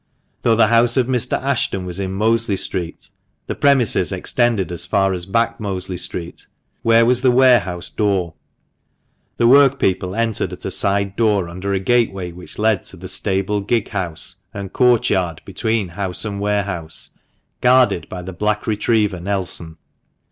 Though the house of Mr. Ashton was in Mosley Street, the premises extended as far as Back Mosley Street, where was the warehouse door. The workpeople entered at a side door under a gateway which led to the stable, gighouse, and courtyard between house and warehouse, guarded by the black retriever, Nelson.